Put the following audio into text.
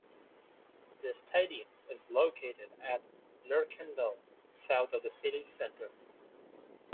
The stadium is located at Lerkendal, south of the city center.